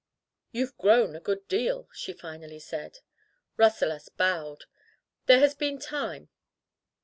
"You've grown a good deal," she finally said. Rasselas bowed. "There has been time.